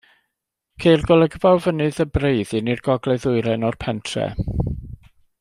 Ceir golygfa o fynydd y Breiddin i'r gogledd-ddwyrain o'r pentref.